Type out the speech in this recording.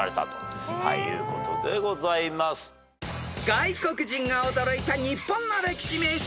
［外国人が驚いた日本の歴史名所